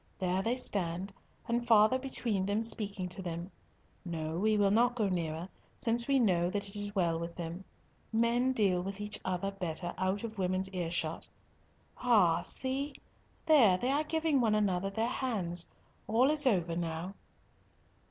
There they stand, and father between them speaking to them. No, we will not go nearer, since we know that it is well with them. Men deal with each other better out of women's earshot. Ah, see, there they are giving one another their hands. All is over now."